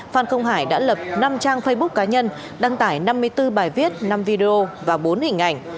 phan công hải đã lập năm trang facebook cá nhân đăng tải năm mươi bốn bài viết năm video và bốn hình ảnh